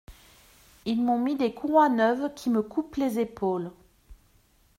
Ils m’ont mis des courroies neuves qui me coupent les épaules.